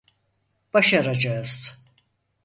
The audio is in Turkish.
Başaracağız.